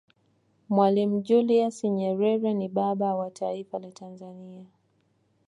mwalimu julius nyerere ni baba was taifa la tanzania